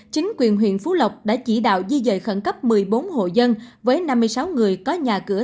chính quyền huyện phú lộc đã chỉ đạo di dời khẩn cấp một mươi bốn hộ dân với năm mươi sáu người có nhà cửa